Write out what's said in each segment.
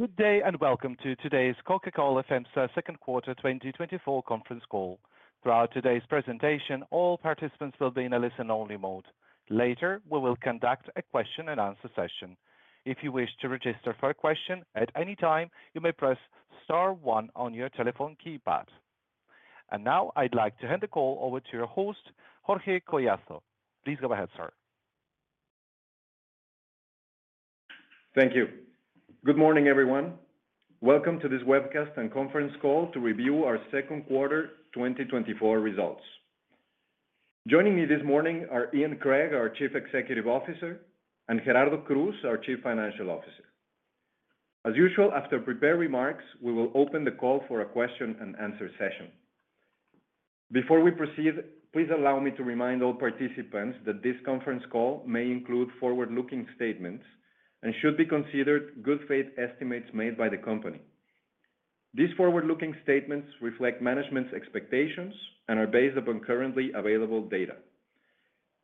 Good day and welcome to today's Coca-Cola FEMSA Q2 2024 conference call. Throughout today's presentation, all participants will be in a listen-only mode. Later, we will conduct a question-and-answer session. If you wish to register for a question at any time, you may press Star 1 on your telephone keypad. And now, I'd like to hand the call over to your host, Jorge Collazo. Please go ahead, sir. Thank you. Good morning, everyone. Welcome to this webcast and conference call to review our second quarter 2024 results. Joining me this morning are Ian Craig, our Chief Executive Officer, and Gerardo Cruz, our Chief Financial Officer. As usual, after prepared remarks, we will open the call for a question-and-answer session. Before we proceed, please allow me to remind all participants that this conference call may include forward-looking statements and should be considered good faith estimates made by the company. These forward-looking statements reflect management's expectations and are based upon currently available data.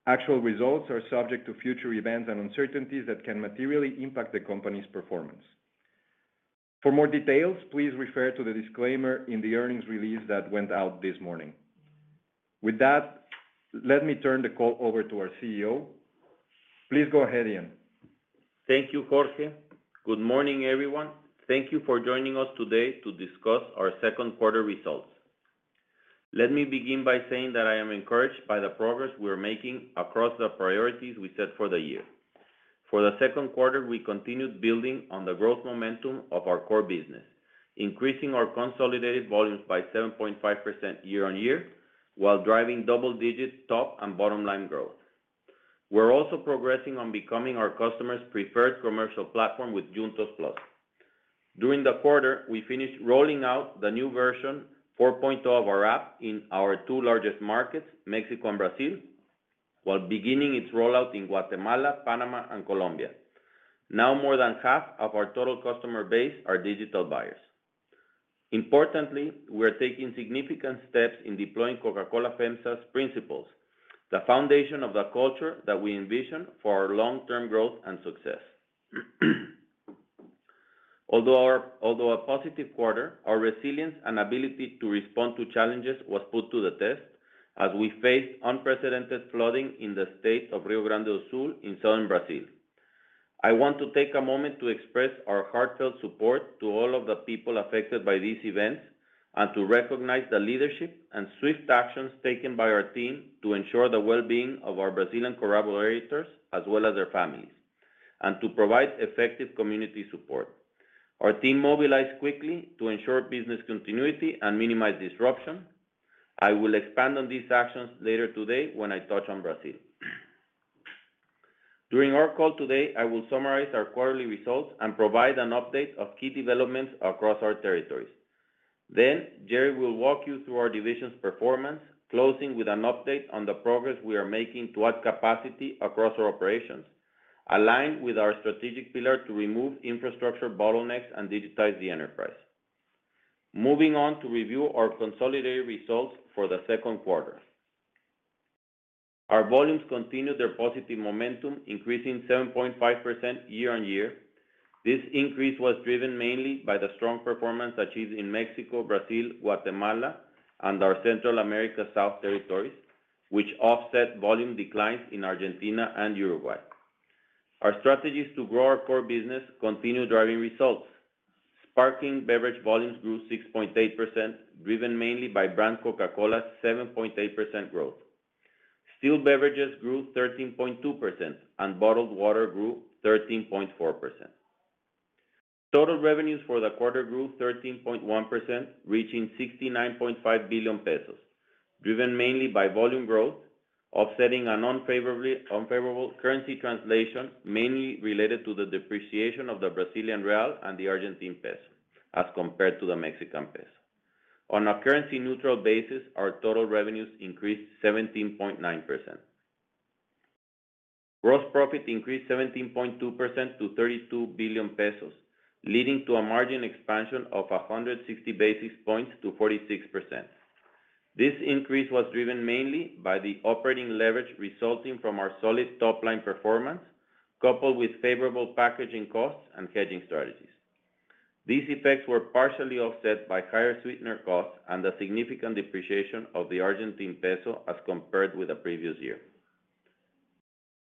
Actual results are subject to future events and uncertainties that can materially impact the company's performance. For more details, please refer to the disclaimer in the earnings release that went out this morning. With that, let me turn the call over to our CEO. Please go ahead, Ian. Thank you, Jorge. Good morning, everyone. Thank you for joining us today to discuss our second quarter results. Let me begin by saying that I am encouraged by the progress we are making across the priorities we set for the year. For the second quarter, we continued building on the growth momentum of our core business, increasing our consolidated volumes by 7.5% year-on-year while driving double-digit top and bottom-line growth. We're also progressing on becoming our customers' preferred commercial platform with Juntos+. During the quarter, we finished rolling out the new version 4.0 of our app in our two largest markets, Mexico and Brazil, while beginning its rollout in Guatemala, Panama, and Colombia. Now, more than half of our total customer base are digital buyers. Importantly, we are taking significant steps in deploying Coca-Cola FEMSA's principles, the foundation of the culture that we envision for our long-term growth and success. Although a positive quarter, our resilience and ability to respond to challenges was put to the test as we faced unprecedented flooding in the state of Rio Grande do Sul in southern Brazil. I want to take a moment to express our heartfelt support to all of the people affected by these events and to recognize the leadership and swift actions taken by our team to ensure the well-being of our Brazilian collaborators as well as their families, and to provide effective community support. Our team mobilized quickly to ensure business continuity and minimize disruption. I will expand on these actions later today when I touch on Brazil. During our call today, I will summarize our quarterly results and provide an update of key developments across our territories. Then, Gerry will walk you through our division's performance, closing with an update on the progress we are making to add capacity across our operations, aligned with our strategic pillar to remove infrastructure bottlenecks and digitize the enterprise. Moving on to review our consolidated results for the second quarter. Our volumes continue their positive momentum, increasing 7.5% year-on-year. This increase was driven mainly by the strong performance achieved in Mexico, Brazil, Guatemala, and our Central America South territories, which offset volume declines in Argentina and Uruguay. Our strategies to grow our core business continue driving results. Sparkling beverage volumes grew 6.8%, driven mainly by brand Coca-Cola's 7.8% growth. Still beverages grew 13.2%, and bottled water grew 13.4%. Total revenues for the quarter grew 13.1%, reaching 69.5 billion pesos, driven mainly by volume growth, offsetting an unfavorable currency translation mainly related to the depreciation of the Brazilian real and the Argentine peso as compared to the Mexican peso. On a currency-neutral basis, our total revenues increased 17.9%. Gross profit increased 17.2% to 32 billion pesos, leading to a margin expansion of 160 basis points to 46%. This increase was driven mainly by the operating leverage resulting from our solid top-line performance, coupled with favorable packaging costs and hedging strategies. These effects were partially offset by higher sweetener costs and the significant depreciation of the Argentine peso as compared with the previous year.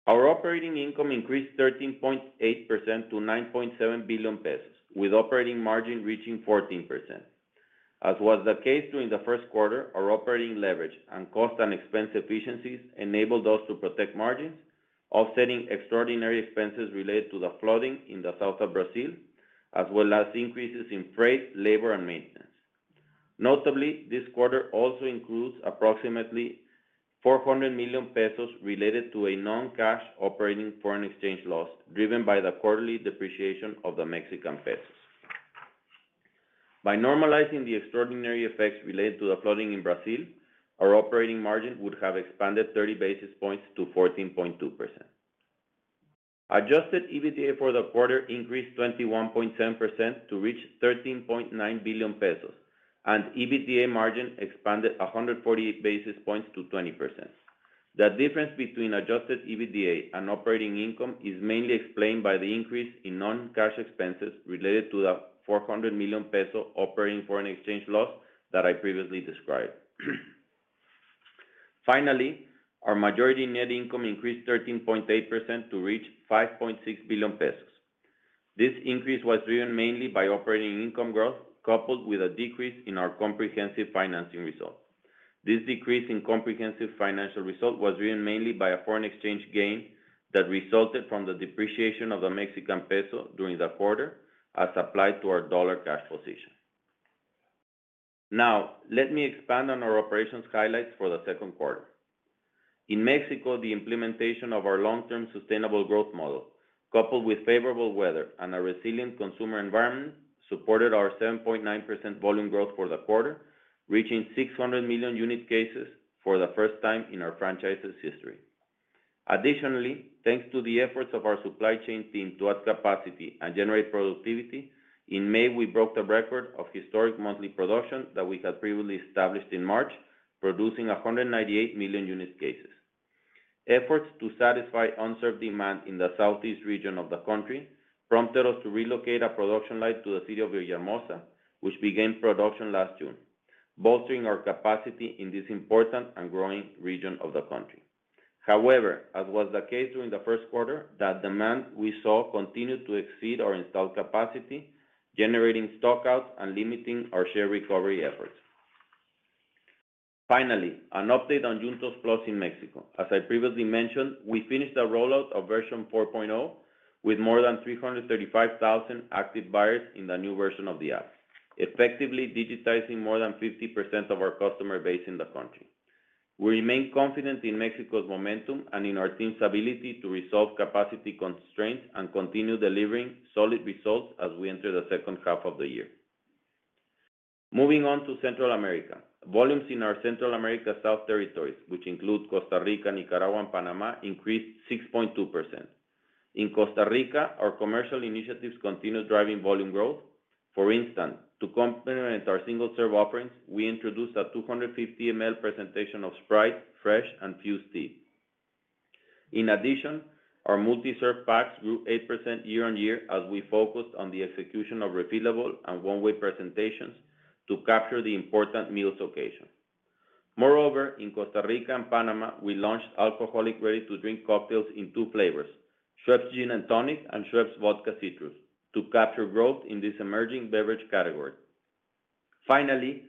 Our operating income increased 13.8% to 9.7 billion pesos, with operating margin reaching 14%. As was the case during the first quarter, our operating leverage and cost and expense efficiencies enabled us to protect margins, offsetting extraordinary expenses related to the flooding in the south of Brazil, as well as increases in freight, labor, and maintenance. Notably, this quarter also includes approximately 400 million pesos related to a non-cash operating foreign exchange loss driven by the quarterly depreciation of the Mexican pesos. By normalizing the extraordinary effects related to the flooding in Brazil, our operating margin would have expanded 30 basis points to 14.2%. Adjusted EBITDA for the quarter increased 21.7% to reach 13.9 billion pesos, and EBITDA margin expanded 148 basis points to 20%. The difference between adjusted EBITDA and operating income is mainly explained by the increase in non-cash expenses related to the 400 million peso operating foreign exchange loss that I previously described. Finally, our majority net income increased 13.8% to reach 5.6 billion pesos. This increase was driven mainly by operating income growth, coupled with a decrease in our comprehensive financing result. This decrease in comprehensive financing result was driven mainly by a foreign exchange gain that resulted from the depreciation of the Mexican peso during the quarter as applied to our dollar cash position. Now, let me expand on our operations highlights for the second quarter. In Mexico, the implementation of our long-term sustainable growth model, coupled with favorable weather and a resilient consumer environment, supported our 7.9% volume growth for the quarter, reaching 600 million unit cases for the first time in our franchise's history. Additionally, thanks to the efforts of our supply chain team to add capacity and generate productivity, in May, we broke the record of historic monthly production that we had previously established in March, producing 198 million unit cases. Efforts to satisfy unserved demand in the southeast region of the country prompted us to relocate a production line to the city of Villahermosa, which began production last June, bolstering our capacity in this important and growing region of the country. However, as was the case during the first quarter, the demand we saw continued to exceed our installed capacity, generating stockouts and limiting our share recovery efforts. Finally, an update on Juntos Plus in Mexico. As I previously mentioned, we finished the rollout of version 4.0 with more than 335,000 active buyers in the new version of the app, effectively digitizing more than 50% of our customer base in the country. We remain confident in Mexico's momentum and in our team's ability to resolve capacity constraints and continue delivering solid results as we enter the second half of the year. Moving on to Central America, volumes in our Central America South territories, which include Costa Rica, Nicaragua, and Panama, increased 6.2%. In Costa Rica, our commercial initiatives continue driving volume growth. For instance, to complement our single-serve offerings, we introduced a 250 ml presentation of Sprite, Fresh, and Fuze Tea. In addition, our multi-serve packs grew 8% year-over-year as we focused on the execution of refillable and one-way presentations to capture the important meals occasion. Moreover, in Costa Rica and Panama, we launched alcoholic ready-to-drink cocktails in two flavors, Schweppes Gin and Tonic and Schweppes Vodka Citrus, to capture growth in this emerging beverage category. Finally,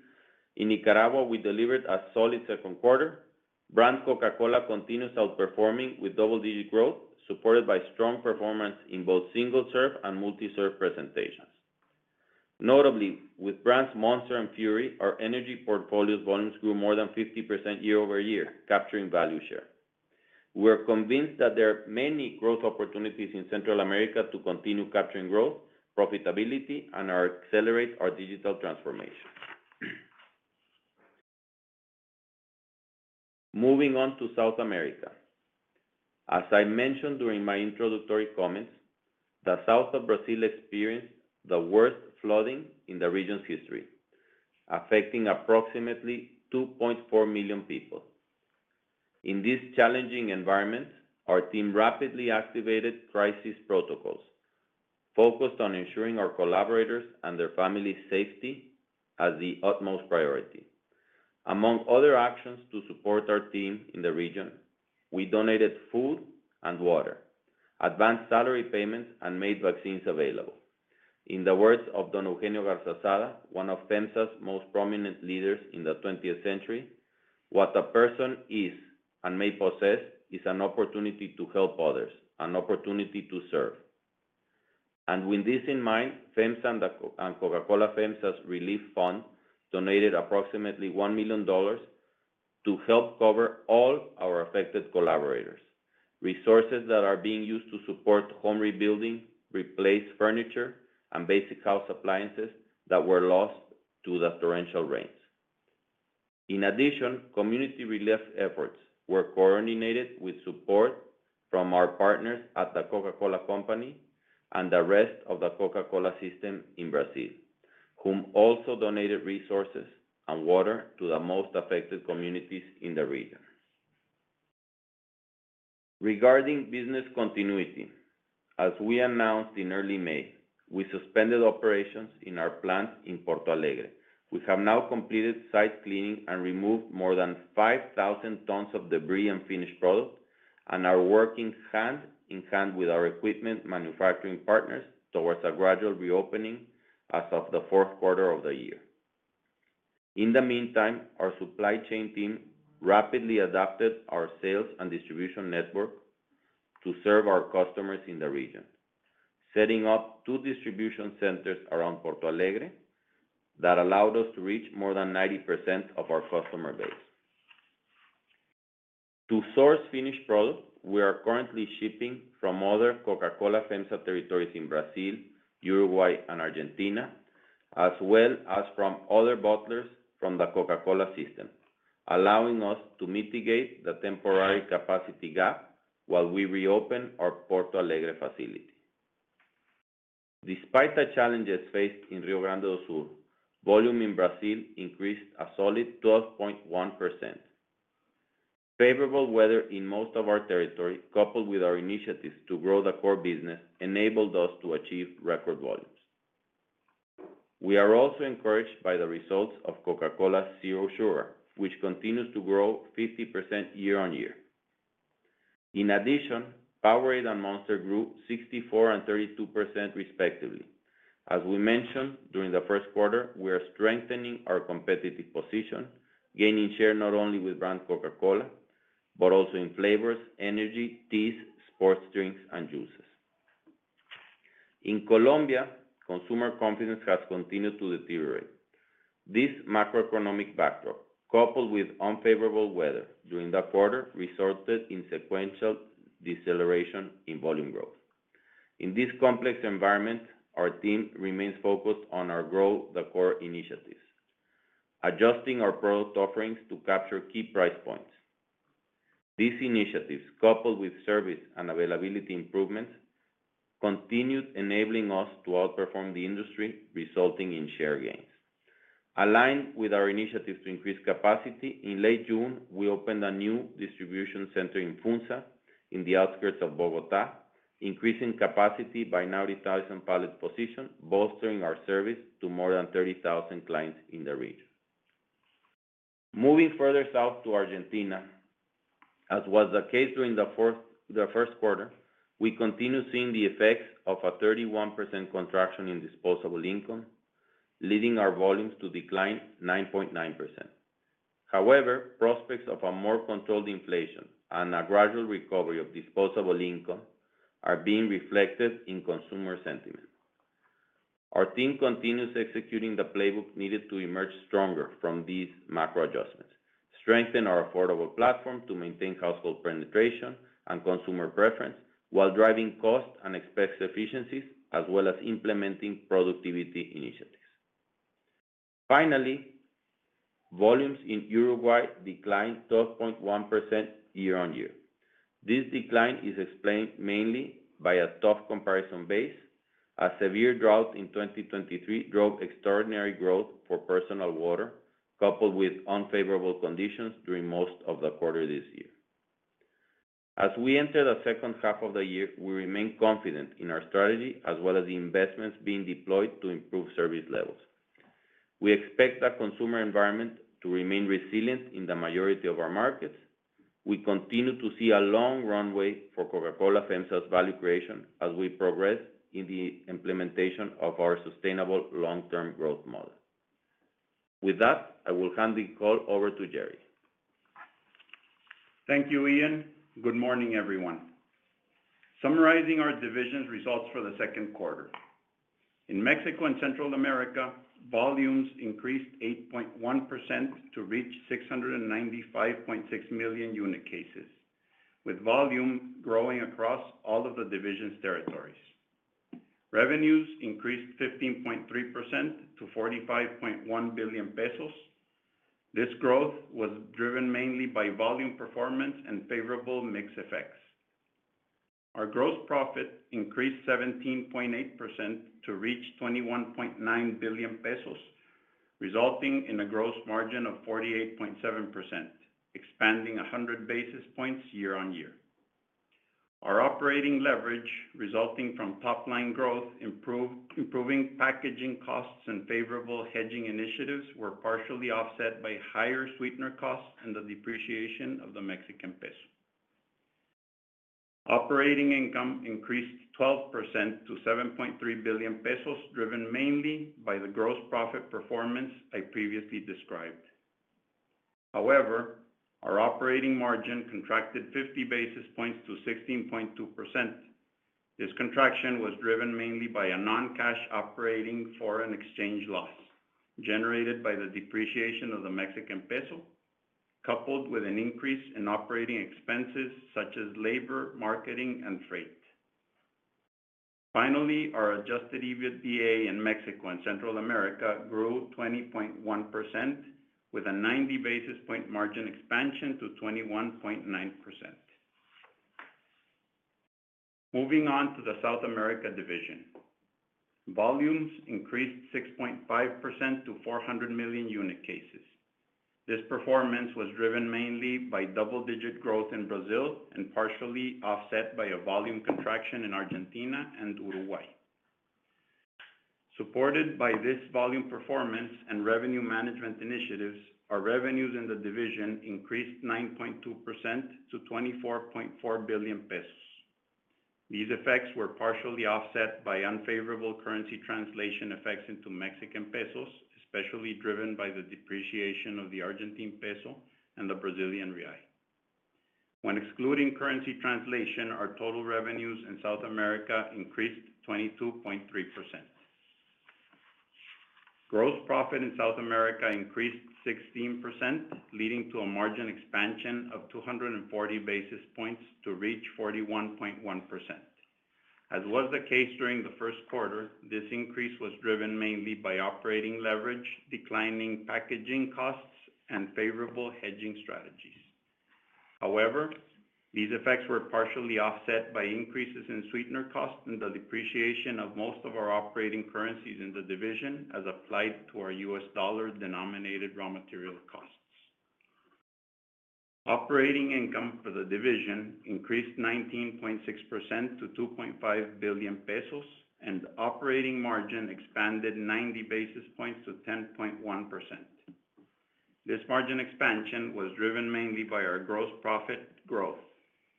in Nicaragua, we delivered a solid second quarter. Brand Coca-Cola continues outperforming with double-digit growth, supported by strong performance in both single-serve and multi-serve presentations. Notably, with brands Monster and Fury, our energy portfolio's volumes grew more than 50% year-over-year, capturing value share. We are convinced that there are many growth opportunities in Central America to continue capturing growth, profitability, and accelerate our digital transformation. Moving on to South America. As I mentioned during my introductory comments, the south of Brazil experienced the worst flooding in the region's history, affecting approximately 2.4 million people. In this challenging environment, our team rapidly activated crisis protocols, focused on ensuring our collaborators and their families' safety as the utmost priority. Among other actions to support our team in the region, we donated food and water, advanced salary payments, and made vaccines available. In the words of Don Eugenio Garza Sada, one of FEMSA's most prominent leaders in the 20th century, "What a person is and may possess is an opportunity to help others, an opportunity to serve." With this in mind, FEMSA and Coca-Cola FEMSA's relief fund donated approximately $1 million to help cover all our affected collaborators, resources that are being used to support home rebuilding, replace furniture, and basic house appliances that were lost to the torrential rains. In addition, community relief efforts were coordinated with support from our partners at The Coca-Cola Company and the rest of the Coca-Cola system in Brazil, who also donated resources and water to the most affected communities in the region. Regarding business continuity, as we announced in early May, we suspended operations in our plant in Porto Alegre. We have now completed site cleaning and removed more than 5,000 tons of debris and finished product, and are working hand in hand with our equipment manufacturing partners towards a gradual reopening as of the Quarter of the year. In the meantime, our supply chain team rapidly adapted our sales and distribution network to serve our customers in the region, setting up two distribution centres around Porto Alegre that allowed us to reach more than 90% of our customer base. To source finished product, we are currently shipping from other Coca-Cola FEMSA territories in Brazil, Uruguay, and Argentina, as well as from other bottlers from the Coca-Cola system, allowing us to mitigate the temporary capacity gap while we reopen our Porto Alegre facility. Despite the challenges faced in Rio Grande do Sul, volume in Brazil increased a solid 12.1%. Favourable weather in most of our territory, coupled with our initiatives to grow the core business, enabled us to achieve record volumes. We are also encouraged by the results of Coca-Cola Zero Sugar, which continues to grow 50% year-over-year. In addition, Powerade and Monster grew 64% and 32%, respectively. As we mentioned during the first quarter, we are strengthening our competitive position, gaining share not only with brand Coca-Cola, but also in flavors, energy, teas, sports drinks, and juices. In Colombia, consumer confidence has continued to deteriorate. This macroeconomic backdrop, coupled with unfavourable weather during the quarter, resulted in sequential deceleration in volume growth. In this complex environment, our team remains focused on our growth core initiatives, adjusting our product offerings to capture key price points. These initiatives, coupled with service and availability improvements, continued enabling us to outperform the industry, resulting in share gains. Aligned with our initiatives to increase capacity, in late June, we opened a new distribution center in Funza in the outskirts of Bogotá, increasing capacity by 90,000 pallet positions, bolstering our service to more than 30,000 clients in the region. Moving further south to Argentina, as was the case during the first quarter, we continue seeing the effects of a 31% contraction in disposable income, leading our volumes to decline 9.9%. However, prospects of a more controlled inflation and a gradual recovery of disposable income are being reflected in consumer sentiment. Our team continues executing the playbook needed to emerge stronger from these macro adjustments, strengthen our affordable platform to maintain household penetration and consumer preference, while driving cost and expense efficiencies, as well as implementing productivity initiatives. Finally, volumes in Uruguay declined 12.1% year-on-year. This decline is explained mainly by a tough comparison base. A severe drought in 2023 drove extraordinary growth for personal water, coupled with unfavorable conditions during most of the quarter this year. As we enter the second half of the year, we remain confident in our strategy, as well as the investments being deployed to improve service levels. We expect the consumer environment to remain resilient in the majority of our markets. We continue to see a long runway for Coca-Cola FEMSA's value creation as we progress in the implementation of our sustainable long-term growth model. With that, I will hand the call over to Gerry. Thank you, Ian. Good morning, everyone. Summarizing our division's results for the second quarter: In Mexico and Central America, volumes increased 8.1% to reach 695.6 million unit cases, with volume growing across all of the division's territories. Revenues increased 15.3% to 45.1 billion pesos. This growth was driven mainly by volume performance and favorable mix effects. Our gross profit increased 17.8% to reach 21.9 billion pesos, resulting in a gross margin of 48.7%, expanding 100 basis points year-on-year. Our operating leverage, resulting from top-line growth, improving packaging costs and favorable hedging initiatives, was partially offset by higher sweetener costs and the depreciation of the Mexican peso. Operating income increased 12% to 7.3 billion pesos, driven mainly by the gross profit performance I previously described. However, our operating margin contracted 50 basis points to 16.2%. This contraction was driven mainly by a non-cash operating foreign exchange loss generated by the depreciation of the Mexican peso, coupled with an increase in operating expenses such as labor, marketing, and freight. Finally, our Adjusted EBITDA in Mexico and Central America grew 20.1%, with a 90 basis point margin expansion to 21.9%. Moving on to the second quarter division, volumes increased 6.5% to 400 million unit cases. This performance was driven mainly by double-digit growth in Brazil and partially offset by a volume contraction in Argentina and Uruguay. Supported by this volume performance and revenue management initiatives, our revenues in the division increased 9.2% to 24.4 billion pesos. These effects were partially offset by unfavorable currency translation effects into Mexican pesos, especially driven by the depreciation of the Argentine peso and the Brazilian real. When excluding currency translation, our total revenues in South America increased 22.3%. Gross profit in South America increased 16%, leading to a margin expansion of 240 basis points to reach 41.1%. As was the case during the first quarter, this increase was driven mainly by operating leverage, declining packaging costs, and favorable hedging strategies. However, these effects were partially offset by increases in sweetener costs and the depreciation of most of our operating currencies in the division, as applied to our U.S. dollar-denominated raw material costs. Operating income for the division increased 19.6% to 2.5 billion pesos, and the operating margin expanded 90 basis points to 10.1%. This margin expansion was driven mainly by our gross profit growth,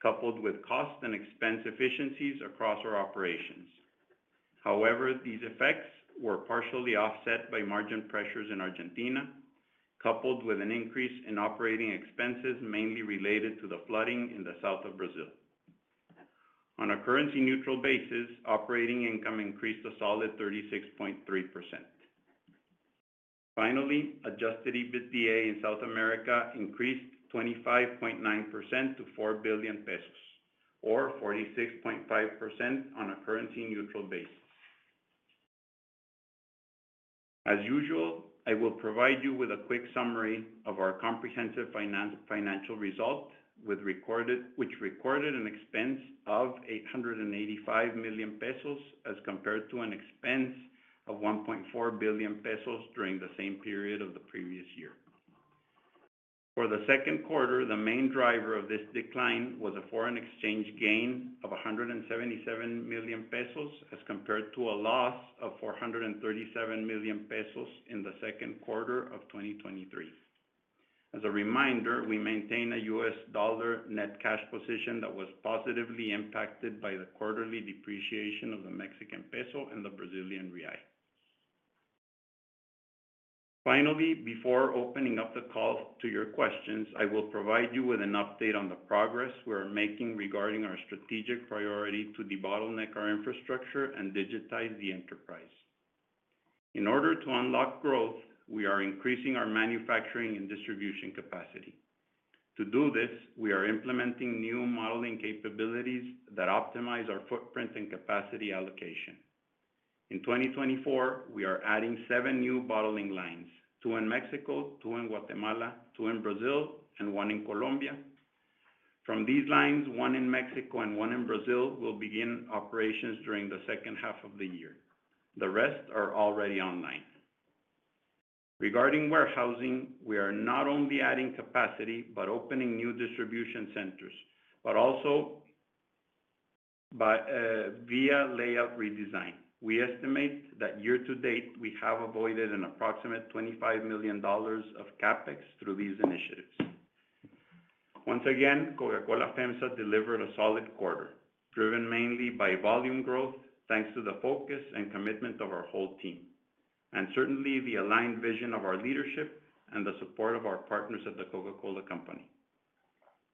coupled with cost and expense efficiencies across our operations. However, these effects were partially offset by margin pressures in Argentina, coupled with an increase in operating expenses mainly related to the flooding in the south of Brazil. On a currency-neutral basis, operating income increased a solid 36.3%. Finally, Adjusted EBITDA in South America increased 25.9% to 4 billion pesos, or 46.5% on a currency-neutral basis. As usual, I will provide you with a quick summary of our comprehensive financing result, which recorded an expense of 885 million pesos as compared to an expense of 1.4 billion pesos during the same period of the previous year. For the II Quarter, the main driver of this decline was a foreign exchange gain of 177 million pesos as compared to a loss of 437 million pesos in the II Quarter of 2023. As a reminder, we maintain a U.S. dollar net cash position that was positively impacted by the quarterly depreciation of the Mexican peso and the Brazilian real. Finally, before opening up the call to your questions, I will provide you with an update on the progress we are making regarding our strategic priority to debottleneck our infrastructure and digitize the enterprise. In order to unlock growth, we are increasing our manufacturing and distribution capacity. To do this, we are implementing new modelling capabilities that optimize our footprint and capacity allocation. In 2024, we are adding 7 new bottling lines: 2 in Mexico, 2 in Guatemala, 2 in Brazil, and 1 in Colombia. From these lines, 1 in Mexico and 1 in Brazil will begin operations during the second half of the year. The rest are already online. Regarding warehousing, we are not only adding capacity but opening new distribution centres, but also via layout redesign. We estimate that year to date we have avoided an approximate $25 million of Capex through these initiatives. Once again, Coca-Cola FEMSA delivered a solid quarter, driven mainly by volume growth thanks to the focus and commitment of our whole team, and certainly the aligned vision of our leadership and the support of our partners at The Coca-Cola Company.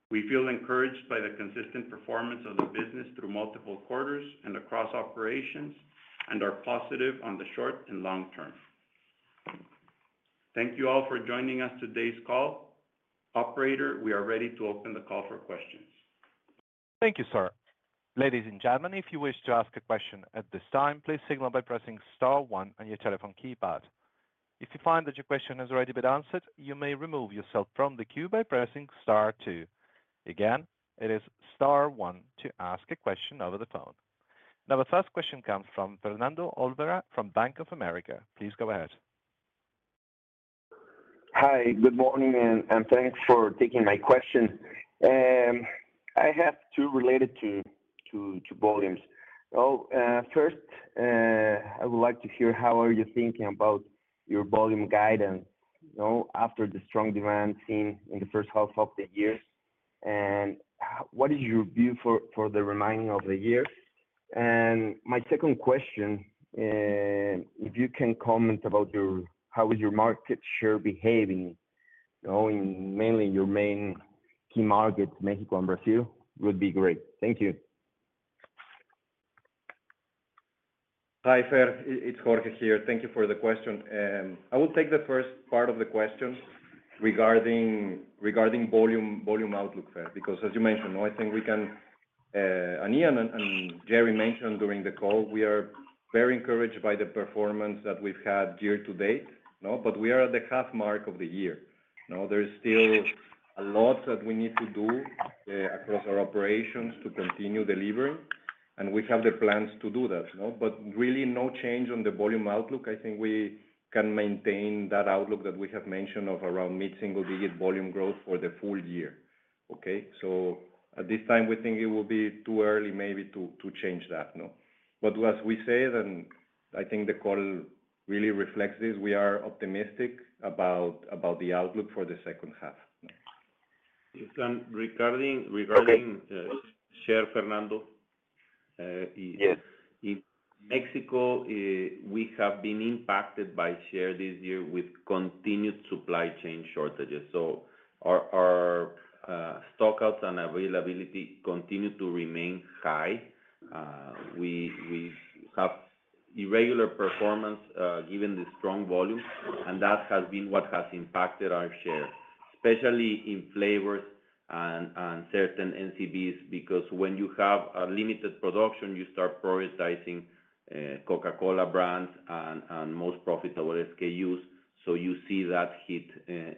We feel encouraged by the consistent performance of the business through multiple quarters and across operations, and are positive on the short and long term. Thank you all for joining us on today's call. Operator, we are ready to open the call for questions. Thank you, sir. Ladies and gentlemen, if you wish to ask a question at this time, please signal by pressing *1 on your telephone keypad. If you find that your question has already been answered, you may remove yourself from the queue by pressing *2. Again, it is *1 to ask a question over the phone. Now, the first question comes from Fernando Olvera from Bank of America. Please go ahead. Hi, good morning, and thanks for taking my question. I have two related to volumes. First, I would like to hear how you're thinking about your volume guidance after the strong demand seen in the first half of the year, and what is your view for the remainder of the year? My second question, if you can comment about how your market share is behaving, mainly in your main key markets, Mexico and Brazil, would be great. Thank you. Hi, Fer. It's Jorge here. Thank you for the question. I will take the first part of the question regarding volume outlook, Fer, because, as you mentioned, I think we can, Ian and Gerry mentioned during the call, we are very encouraged by the performance that we've had year to date, but we are at the half mark of the year. There is still a lot that we need to do across our operations to continue delivering, and we have the plans to do that. But really, no change on the volume outlook. I think we can maintain that outlook that we have mentioned of around mid-single-digit volume growth for the full year. So at this time, we think it will be too early maybe to change that. But as we said, and I think the call really reflects this, we are optimistic about the outlook for the second half. Share, Fernando. Yes. In Mexico, we have been impacted by share this year with continued supply chain shortages. So our stockouts and availability continue to remain high. We have irregular performance given the strong volume, and that has been what has impacted our share, especially in flavors and certain NCBs, because when you have a limited production, you start prioritizing Coca-Cola brands and most profitable SKUs. So you see that hit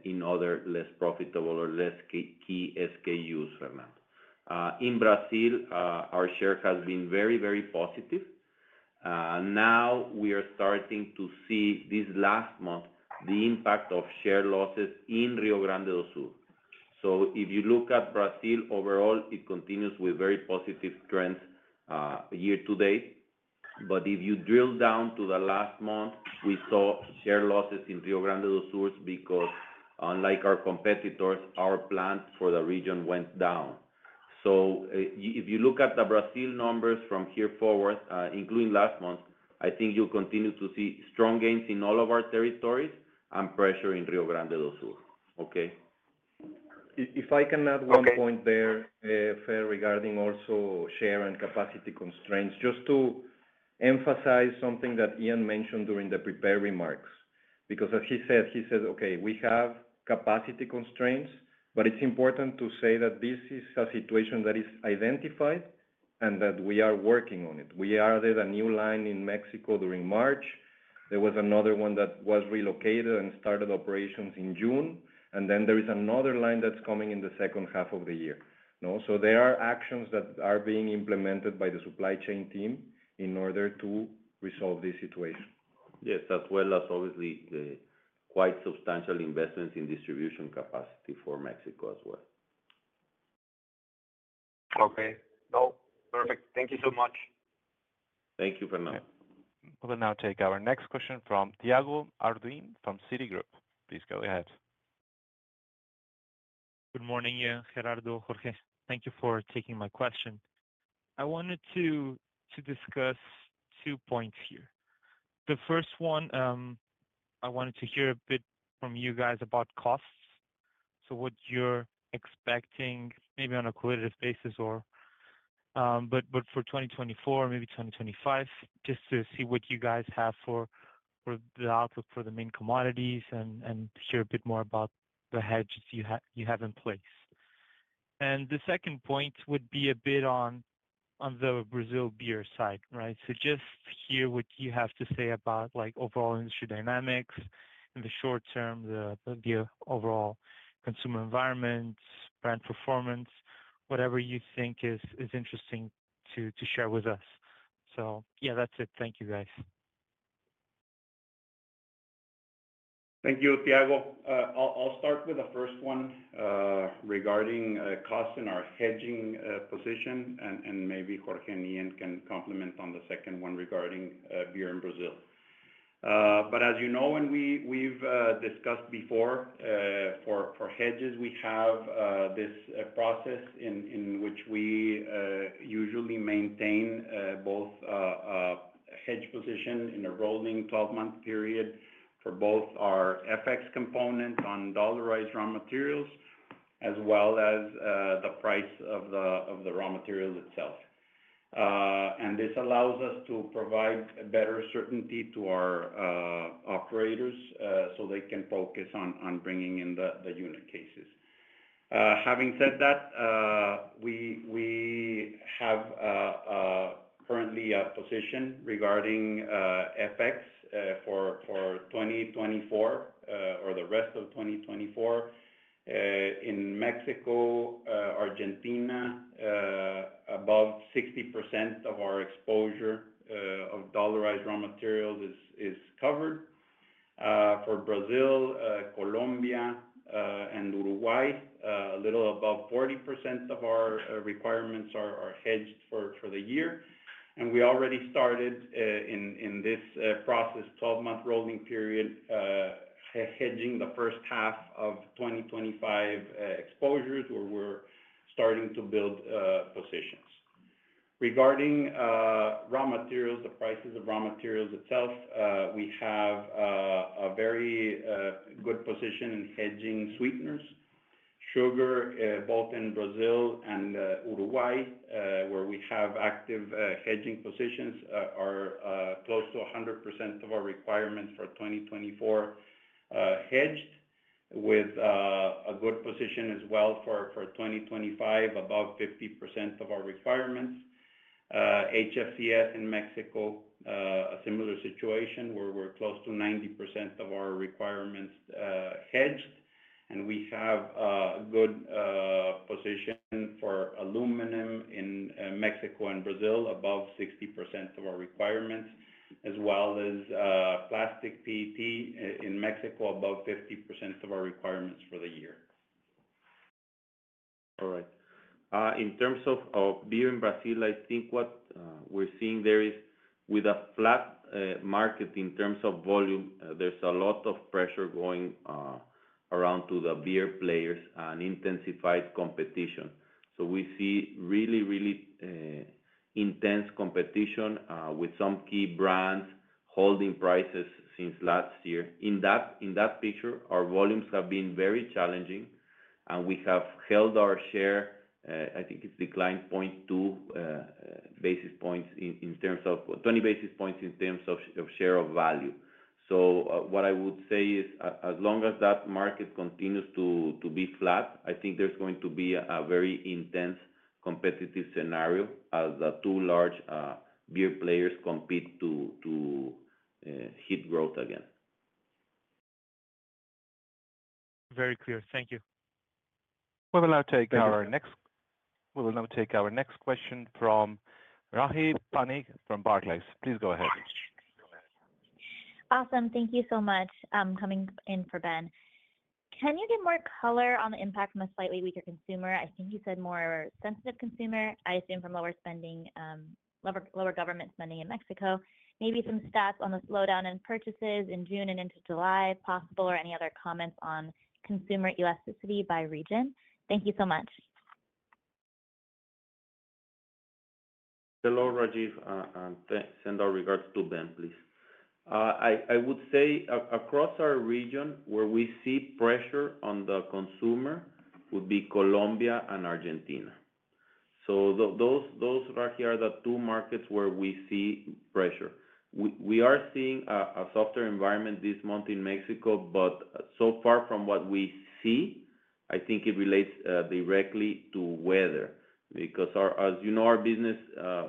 in other less profitable or less key SKUs, Fernando. In Brazil, our share has been very, very positive. Now, we are starting to see this last month the impact of share losses in Rio Grande do Sul. If you look at Brazil overall, it continues with very positive trends year to date. But if you drill down to the last month, we saw share losses in Rio Grande do Sul because, unlike our competitors, our plan for the region went down. So if you look at the Brazil numbers from here forward, including last month, I think you'll continue to see strong gains in all of our territories and pressure in Rio Grande do Sul. If I can add one point there, Fer, regarding also sugar and capacity constraints, just to emphasize something that Ian mentioned during the prepared remarks, because as he said, he said, "Okay, we have capacity constraints, but it's important to say that this is a situation that is identified and that we are working on it." We added a new line in Mexico during March. There was another one that was relocated and started operations in June. Then there is another line that's coming in the second half of the year. So there are actions that are being implemented by the supply chain team in order to resolve this situation. Yes, as well as obviously quite substantial investments in distribution capacity for Mexico as well. Okay. Perfect. Thank you so much. Thank you, Fernando. We'll now take our next question from Thiago Arduin from Citigroup. Please go ahead. Good morning, Ian, Gerardo, Jorge. Thank you for taking my question. I wanted to discuss two points here. The first one, I wanted to hear a bit from you guys about costs. So what you're expecting, maybe on a quarterly basis, but for 2024, maybe 2025, just to see what you guys have for the outlook for the main commodities and hear a bit more about the hedges you have in place. And the second point would be a bit on the Brazil beer side, right? So just hear what you have to say about overall industry dynamics in the short term, the overall consumer environment, brand performance, whatever you think is interesting to share with us. So yeah, that's it. Thank you, guys. Thank you, Thiago. I'll start with the first one regarding costs in our hedging position, and maybe Jorge and Ian can complement on the second one regarding beer in Brazil. But as you know, and we've discussed before, for hedges, we have this process in which we usually maintain both a hedge position in a rolling 12 month period for both our FX component on dollarized raw materials as well as the price of the raw materials itself. And this allows us to provide better certainty to our operators so they can focus on bringing in the unit cases. Having said that, we have currently a position regarding FX for 2024 or the rest of 2024. In Mexico, Argentina, above 60% of our exposure of dollarized raw materials is covered. For Brazil, Colombia, and Uruguay, a little above 40% of our requirements are hedged for the year. We already started in this process, 12-month rolling period, hedging the first half of 2025 exposures where we're starting to build positions. Regarding raw materials, the prices of raw materials itself, we have a very good position in hedging sweeteners. Sugar, both in Brazil and Uruguay, where we have active hedging positions, are close to 100% of our requirements for 2024 hedged, with a good position as well for 2025, above 50% of our requirements. HFCS in Mexico, a similar situation where we're close to 90% of our requirements hedged, and we have a good position for aluminium in Mexico and Brazil, above 60% of our requirements, as well as plastic PET in Mexico, above 50% of our requirements for the year. All right. In terms of beer in Brazil, I think what we're seeing there is, with a flat market in terms of volume, there's a lot of pressure going around to the beer players and intensified competition. So we see really, really intense competition with some key brands holding prices since last year. In that picture, our volumes have been very challenging, and we have held our share. I think it's declined 0.2 basis points in terms of 20 basis points in terms of share of value. So what I would say is, as long as that market continues to be flat, I think there's going to be a very intense competitive scenario as the two large beer players compete to hit growth again. Very clear. Thank you. We will now take our next question from Rahi Parikh from Barclays. Please go ahead. Awesome. Thank you so much am coming in for Ben. Can you give more color on the impact from a slightly weaker consumer? I think you said more sensitive consumer, I assume, from lower spending, lower government spending in Mexico. Maybe some stats on the slowdown in purchases in June and into July, possible, or any other comments on consumer elasticity by region? Thank you so much. Hello, Rahi. Send our regards to Ben, please. I would say across our region where we see pressure on the consumer would be Colombia and Argentina. So those right here are the two markets where we see pressure. We are seeing a softer environment this month in Mexico, but so far from what we see, I think it relates directly to weather, because as you know, our business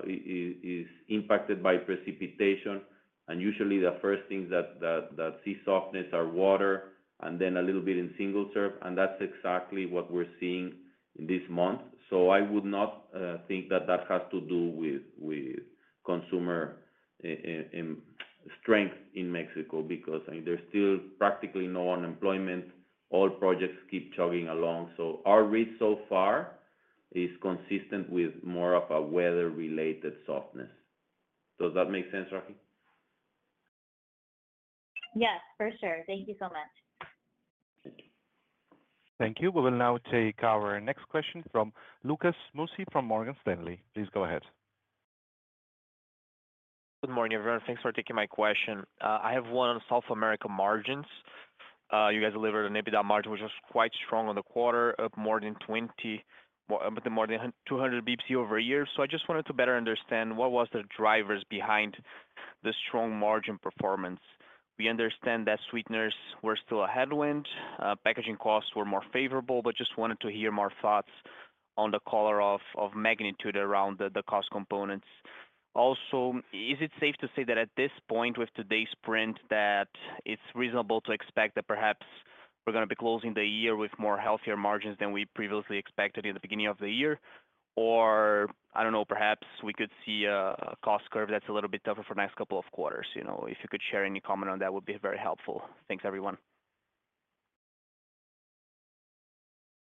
is impacted by precipitation, and usually the first things that see softness are water and then a little bit in single serve, and that's exactly what we're seeing this month. So I would not think that that has to do with consumer strength in Mexico because there's still practically no unemployment. All projects keep chugging along. So our risk so far is consistent with more of a weather-related softness. Does that make sense, Rajiv? Yes, for sure. Thank you so much. Thank you. We will now take our next question from Lucas Mussi from Morgan Stanley. Please go ahead. Good morning, everyone. Thanks for taking my question. I have one on South America margins. You guys delivered an EBITDA margin which was quite strong on the quarter, up more than 200 basis points over a year. So I just wanted to better understand what were the drivers behind the strong margin performance. We understand that sweeteners were still a headwind. Packaging costs were more favourable, but just wanted to hear more thoughts on the color of magnitude around the cost components. Also, is it safe to say that at this point with today's print that it's reasonable to expect that perhaps we're going to be closing the year with more healthier margins than we previously expected in the beginning of the year? Or, I don't know, perhaps we could see a cost curve that's a little bit tougher for the next couple of quarters. If you could share any comment on that, it would be very helpful. Thanks, everyone.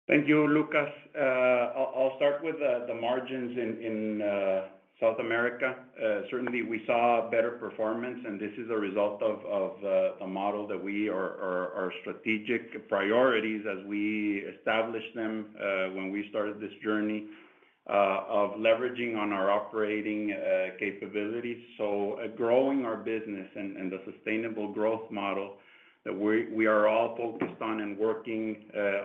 Thank you, Lucas. I'll start with the margins in South America. Certainly, we saw better performance, and this is a result of the model that we are strategic priorities as we established them when we started this journey of leveraging on our operating capabilities. So growing our business and the sustainable growth model that we are all focused on and working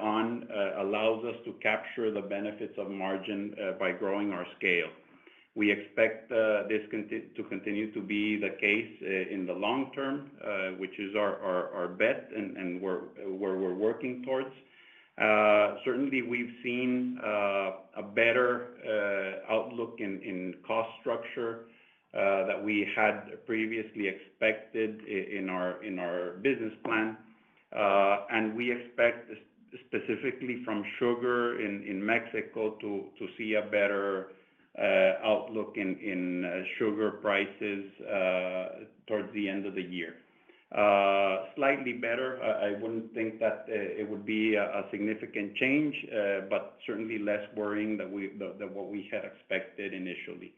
on allows us to capture the benefits of margin by growing our scale. We expect this to continue to be the case in the long term, which is our bet and where we're working towards. Certainly, we've seen a better outlook in cost structure that we had previously expected in our business plan. We expect specifically from sugar in Mexico to see a better outlook in sugar prices towards the end of the year. Slightly better. I wouldn't think that it would be a significant change, but certainly less worrying than what we had expected initially.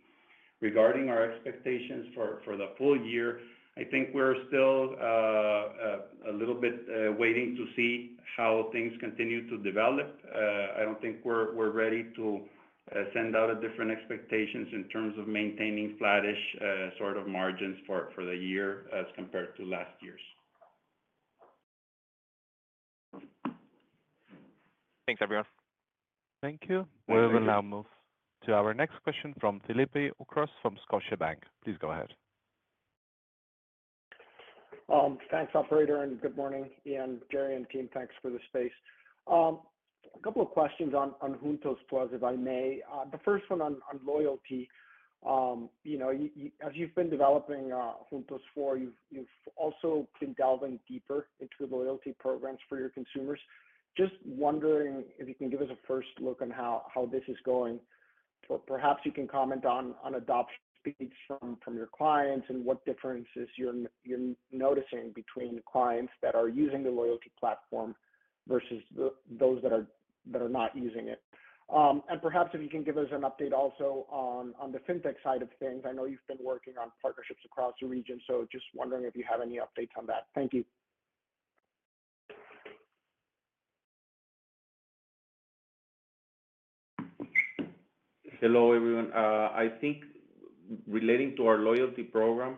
Regarding our expectations for the full year, I think we're still a little bit waiting to see how things continue to develop. I don't think we're ready to send out different expectations in terms of maintaining flattish sort of margins for the year as compared to last year's. Thanks, everyone. Thank you. We will now move to our next question from Felipe Ucros from Scotiabank. Please go ahead. Thanks, operator, and good morning, Ian, Gerry, and team. Thanks for the space. A couple of questions on Juntos+, if I may. The first one on loyalty. As you've been developing Juntos for, you've also been delving deeper into loyalty programs for your consumers. Just wondering if you can give us a first look on how this is going. Perhaps you can comment on adoption speeds from your clients and what differences you're noticing between clients that are using the loyalty platform versus those that are not using it? Perhaps if you can give us an update also on the fintech side of things? I know you've been working on partnerships across the region, so just wondering if you have any updates on that. Thank you. Hello, everyone. I think relating to our loyalty program,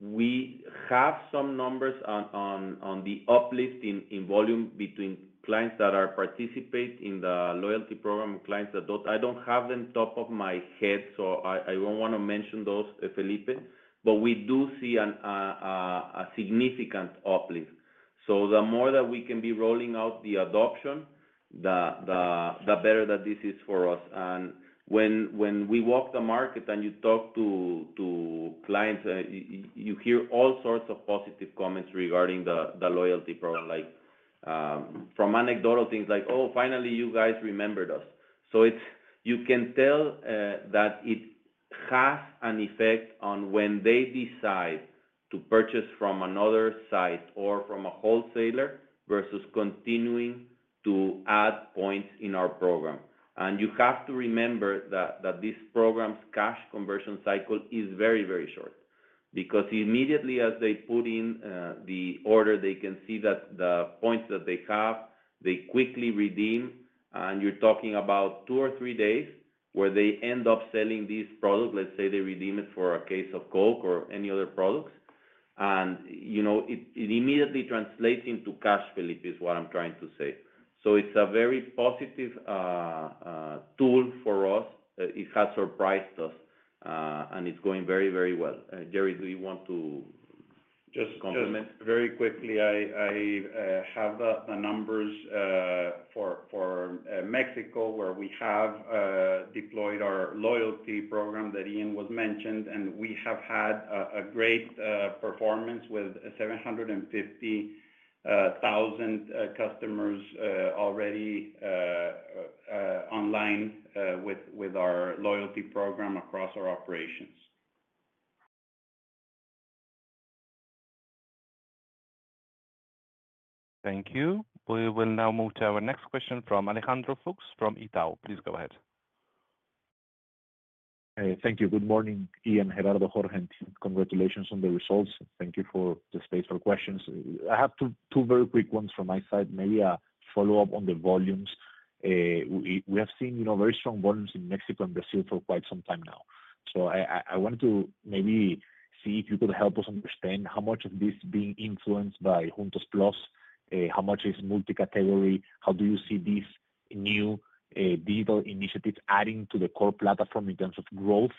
we have some numbers on the uplift in volume between clients that are participating in the loyalty program and clients that don't. I don't have them off the top of my head, so I don't want to mention those, Felipe, but we do see a significant uplift. The more that we can be rolling out the adoption, the better that this is for us. When we walk the market and you talk to clients, you hear all sorts of positive comments regarding the loyalty program, like from anecdotal things like, "Oh, finally, you guys remembered us." So you can tell that it has an effect on when they decide to purchase from another site or from a wholesaler versus continuing to add points in our program. And you have to remember that this program's cash conversion cycle is very, very short because immediately as they put in the order, they can see that the points that they have, they quickly redeem, and you're talking about two or three days where they end up selling this product. Let's say they redeem it for a case of Coke or any other products, and it immediately translates into cash, Felipe, is what I'm trying to say. So it's a very positive tool for us. It has surprised us, and it's going very, very well. Gerry, do you want to comment? Just very quickly, I have the numbers for Mexico where we have deployed our loyalty program that Ian was mentioning, and we have had a great performance with 750,000 customers already online with our loyalty program across our operations. Thank you. We will now move to our next question from Alejandro Fuchs from Itaú. Please go ahead. Thank you. Good morning, Ian, Gerardo, Jorge. Congratulations on the results. Thank you for the space for questions. I have two very quick ones from my side, maybe a follow-up on the volumes. We have seen very strong volumes in Mexico and Brazil for quite some time now. So I wanted to maybe see if you could help us understand how much of this is being influenced by Juntos+, how much is multicategory, how do you see these new digital initiatives adding to the core platform in terms of growth?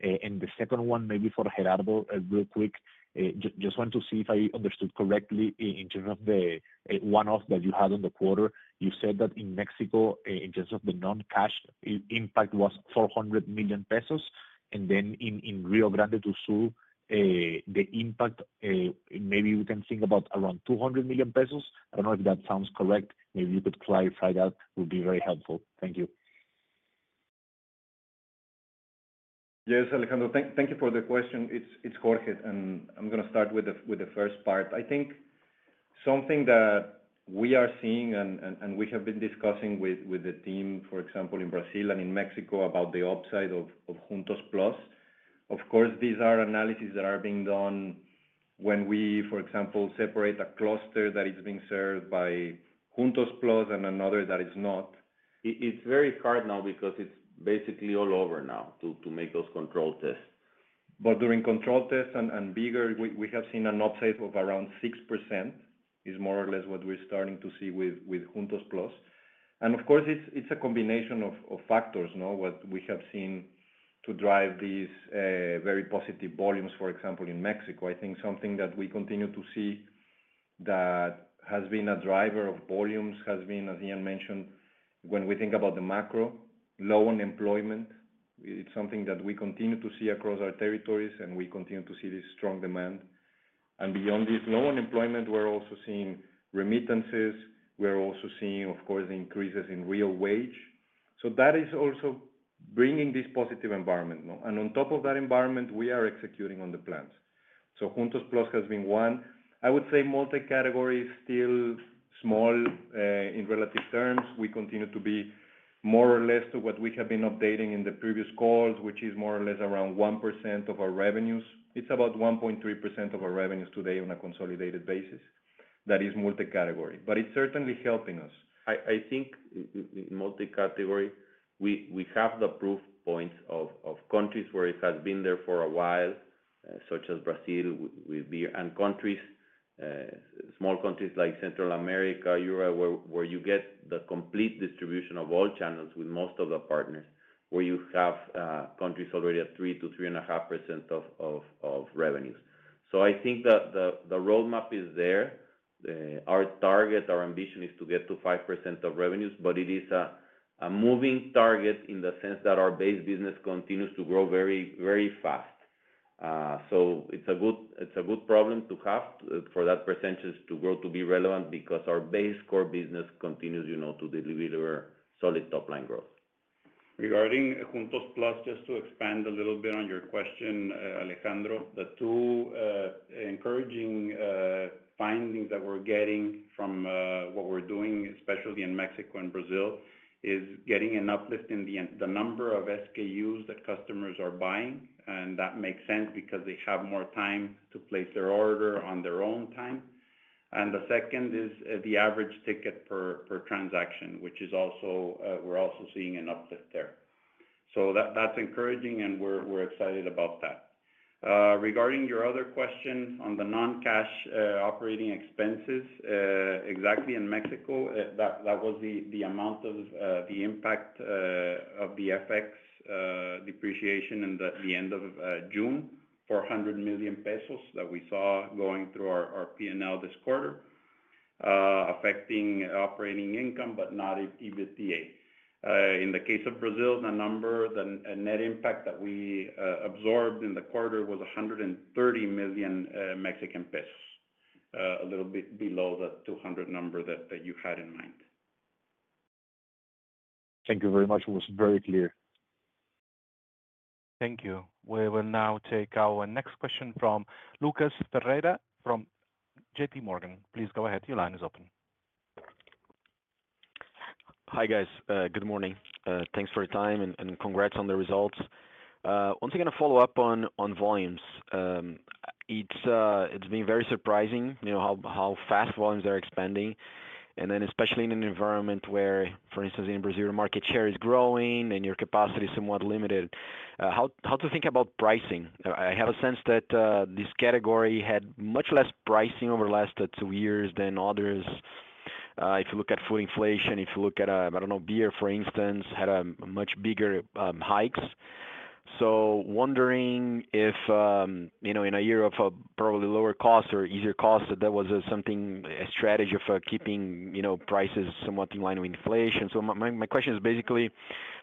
And the second one, maybe for Gerardo, real quick, just wanted to see if I understood correctly in terms of the one-off that you had on the quarter. You said that in Mexico, in terms of the non-cash impact, was 400 million pesos. And then in Rio Grande do Sul, the impact, maybe we can think about around 200 million pesos. I don't know if that sounds correct. Maybe you could clarify that would be very helpful. Thank you. Yes, Alejandro. Thank you for the question. It's Jorge, and I'm going to start with the first part. I think something that we are seeing and we have been discussing with the team, for example, in Brazil and in Mexico about the upside of Juntos Plus. Of course, these are analyses that are being done when we, for example, separate a cluster that is being served by Juntos Plus and another that is not. It's very hard now because it's basically all over now to make those control tests. But during control tests and bigger, we have seen an upside of around 6% is more or less what we're starting to see with Juntos Plus. And of course, it's a combination of factors what we have seen to drive these very positive volumes, for example, in Mexico. I think something that we continue to see that has been a driver of volumes has been, as Ian mentioned, when we think about the macro, low unemployment. It's something that we continue to see across our territories, and we continue to see this strong demand. And beyond this low unemployment, we're also seeing remittances. We're also seeing, of course, the increases in real wage. So that is also bringing this positive environment. And on top of that environment, we are executing on the plans. So Juntos Plus has been one. I would say multicategory is still small in relative terms. We continue to be more or less to what we have been updating in the previous calls, which is more or less around 1% of our revenues. It's about 1.3% of our revenues today on a consolidated basis that is multicategory. But it's certainly helping us. I think multicategory, we have the proof points of countries where it has been there for a while, such as Brazil and countries, small countries like Central America, Europe, where you get the complete distribution of all channels with most of the partners, where you have countries already at 3%-3.5% of revenues. So I think that the roadmap is there. Our target, our ambition is to get to 5% of revenues, but it is a moving target in the sense that our base business continues to grow very, very fast. So it's a good problem to have for that percentage to grow to be relevant because our base core business continues to deliver solid top-line growth. Regarding Juntos Plus, just to expand a little bit on your question, Alejandro, the two encouraging findings that we're getting from what we're doing, especially in Mexico and Brazil, is getting an uplift in the number of SKUs that customers are buying. And that makes sense because they have more time to place their order on their own time. And the second is the average ticket per transaction, which we're also seeing an uplift there. So that's encouraging, and we're excited about that. Regarding your other question on the non-cash operating expenses, exactly in Mexico, that was the amount of the impact of the FX depreciation at the end of June, 400 million pesos that we saw going through our P&L this quarter, affecting operating income, but not EBITDA. In the case of Brazil, the net impact that we absorbed in the quarter was 130 million Mexican pesos, a little bit below the 200 million number that you had in mind. Thank you very much. It was very clear. Thank you. We will now take our next question from Lucas Ferreira from J.P. Morgan. Please go ahead. Your line is open. Hi, guys. Good morning. Thanks for your time and congrats on the results. One thing I'm going to follow up on volumes. It's been very surprising how fast volumes are expanding. And then especially in an environment where, for instance, in Brazil, your market share is growing and your capacity is somewhat limited. How to think about pricing? I have a sense that this category had much less pricing over the last two years than others. If you look at food inflation, if you look at, I don't know, beer, for instance, had much bigger hikes. So wondering if in a year of probably lower costs or easier costs, that was something, a strategy of keeping prices somewhat in line with inflation. So my question is basically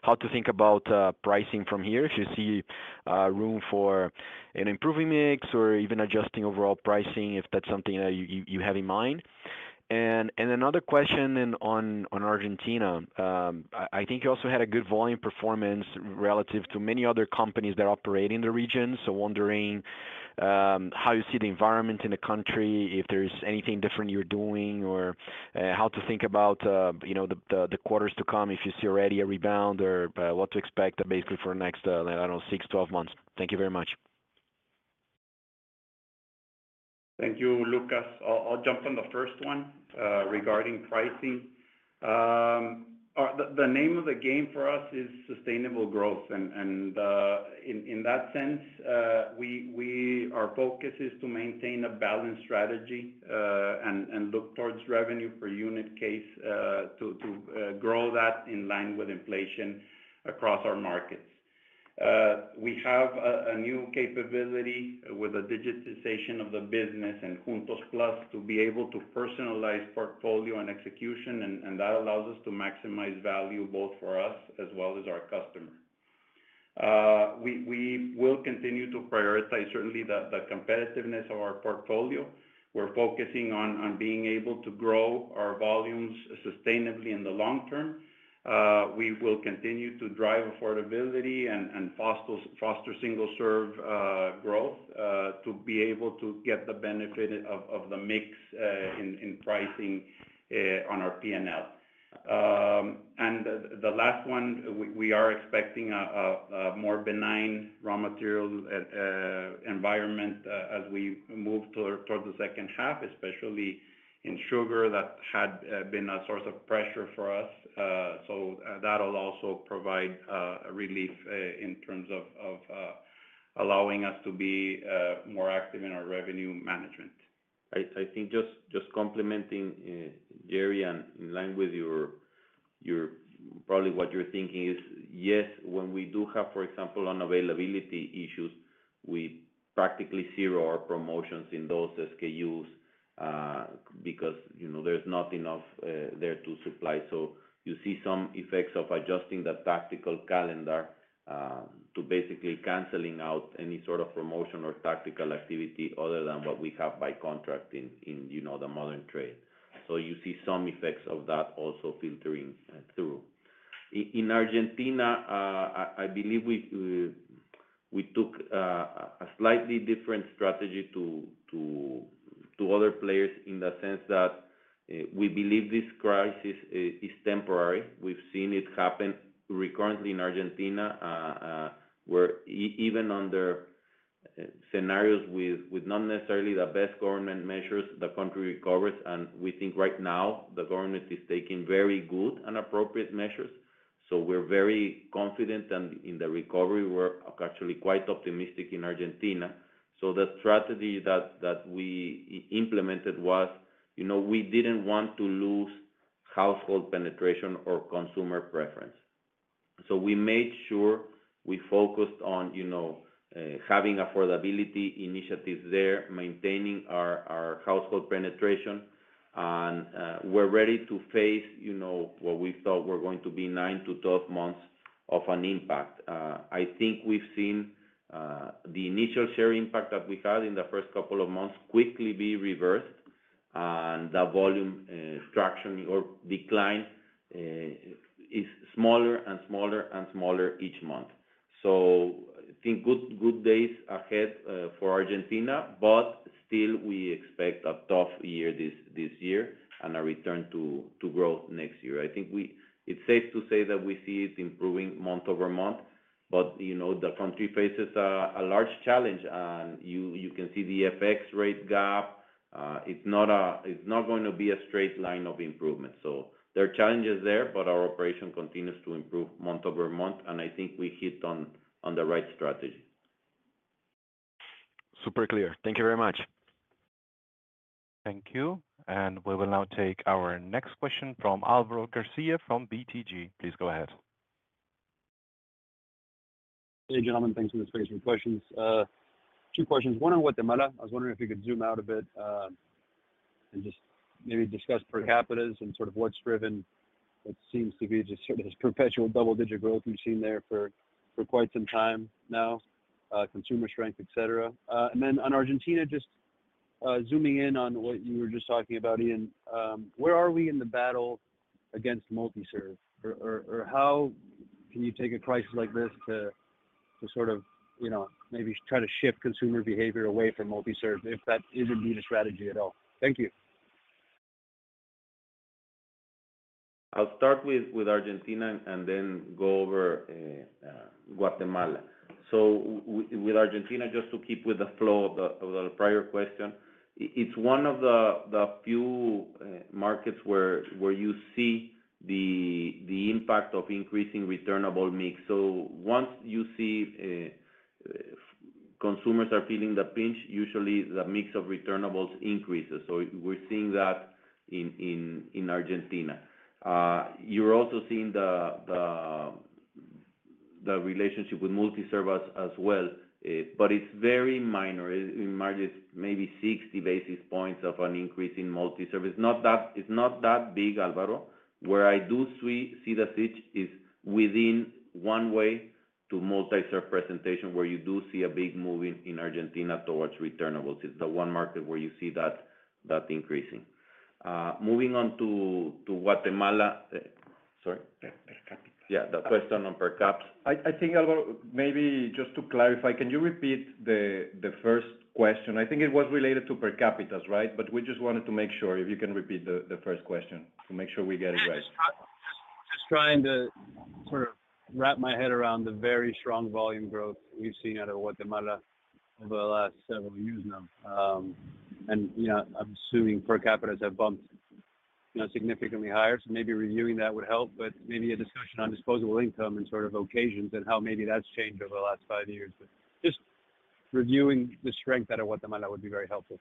how to think about pricing from here, if you see room for an improving mix or even adjusting overall pricing, if that's something that you have in mind. And another question on Argentina. I think you also had a good volume performance relative to many other companies that operate in the region. So wondering how you see the environment in the country, if there's anything different you're doing, or how to think about the quarters to come, if you see already a rebound or what to expect basically for the next, I don't know, 6, 12 months. Thank you very much. Thank you, Lucas. I'll jump on the first one regarding pricing. The name of the game for us is sustainable growth. And in that sense, our focus is to maintain a balanced strategy and look towards revenue per unit case to grow that in line with inflation across our markets. We have a new capability with the digitization of the business and Juntos+ to be able to personalize portfolio and execution, and that allows us to maximize value both for us as well as our customer. We will continue to prioritize certainly the competitiveness of our portfolio. We're focusing on being able to grow our volumes sustainably in the long term. We will continue to drive affordability and foster single-serve growth to be able to get the benefit of the mix in pricing on our P&L. And the last one, we are expecting a more benign raw material environment as we move towards the second half, especially in sugar that had been a source of pressure for us. So that will also provide relief in terms of allowing us to be more active in our revenue management. I think just complementing Gerry and in line with your probably what you're thinking is, yes, when we do have, for example, unavailability issues, we practically zero our promotions in those SKUs because there's not enough there to supply. So you see some effects of adjusting the tactical calendar to basically canceling out any sort of promotion or tactical activity other than what we have by contract in the modern trade. So you see some effects of that also filtering through. In Argentina, I believe we took a slightly different strategy to other players in the sense that we believe this crisis is temporary. We've seen it happen recurrently in Argentina where even under scenarios with not necessarily the best government measures, the country recovers. And we think right now the government is taking very good and appropriate measures. So we're very confident in the recovery. We're actually quite optimistic in Argentina. So the strategy that we implemented was we didn't want to lose household penetration or consumer preference. So we made sure we focused on having affordability initiatives there, maintaining our household penetration, and we're ready to face what we thought were going to be 9-12 months of an impact. I think we've seen the initial share impact that we had in the first couple of months quickly be reversed, and the volume traction or decline is smaller and smaller and smaller each month. So I think good days ahead for Argentina, but still we expect a tough year this year and a return to growth next year. I think it's safe to say that we see it improving month-over-month, but the country faces a large challenge, and you can see the FX rate gap. It's not going to be a straight line of improvement. So there are challenges there, but our operation continues to improve month-over-month, and I think we hit on the right strategy. Super clear. Thank you very much. Thank you. And we will now take our next question from Álvaro García from BTG. Please go ahead. Hey, gentlemen. Thanks for the space for questions. Two questions. One on Guatemala. I was wondering if you could zoom out a bit and just maybe discuss per capita and sort of what's driven what seems to be just this perpetual double-digit growth we've seen there for quite some time now, consumer strength, etc. And then on Argentina, just zooming in on what you were just talking about, Ian, where are we in the battle against multi-serve, or how can you take a crisis like this to sort of maybe try to shift consumer behavior away from multi-serve, if that is indeed a strategy at all? Thank you. I'll start with Argentina and then go over Guatemala. With Argentina, just to keep with the flow of the prior question, it's one of the few markets where you see the impact of increasing returnable mix. So once you see consumers are feeling the pinch, usually the mix of returnables increases. So we're seeing that in Argentina. You're also seeing the relationship with multi-serve as well, but it's very minor. It's maybe 60 basis points of an increase in multi-serve. It's not that big, Álvaro. Where I do see the switch is within one-way to multi-serve presentation where you do see a big move in Argentina towards returnables. It's the one market where you see that increasing. Moving on to Guatemala. Sorry. Per capita. Yeah, the question on per caps. I think, Álvaro, maybe just to clarify, can you repeat the first question? I think it was related to per capitas, right? But we just wanted to make sure if you can repeat the first question to make sure we get it right. Just trying to sort of wrap my head around the very strong volume growth we've seen out of Guatemala over the last several years now. I'm assuming per capitas have bumped significantly higher. So maybe reviewing that would help, but maybe a discussion on disposable income and sort of occasions and how maybe that's changed over the last five years. But just reviewing the strength out of Guatemala would be very helpful.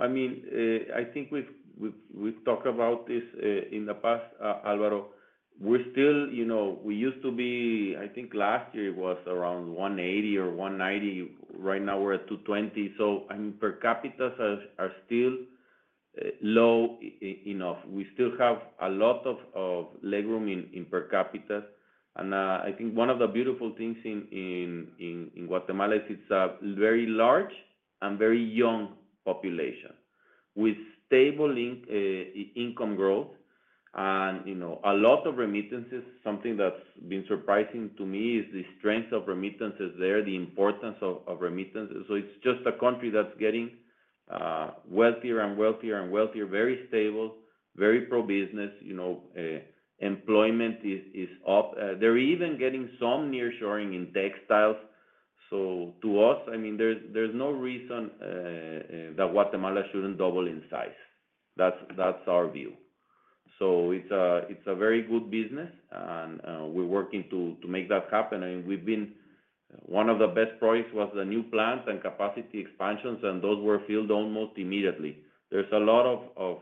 I mean, I think we've talked about this in the past, Álvaro. We're still, we used to be, I think last year it was around 180 or 190. Right now we're at 220. So I mean, per capitas are still low enough. We still have a lot of legroom in per capitas. I think one of the beautiful things in Guatemala is it's a very large and very young population with stable income growth and a lot of remittances. Something that's been surprising to me is the strength of remittances there, the importance of remittances. It's just a country that's getting wealthier and wealthier and wealthier, very stable, very pro-business. Employment is up. They're even getting some nearshoring in textiles. To us, I mean, there's no reason that Guatemala shouldn't double in size. That's our view. It's a very good business, and we're working to make that happen. And we've been one of the best projects was the new plants and capacity expansions, and those were filled almost immediately. There's a lot of